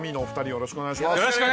よろしくお願いします。